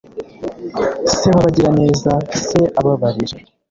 Se wabagiraneza Se ababarira